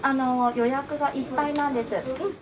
予約がいっぱいなんです。